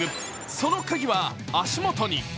そのカギは足元に。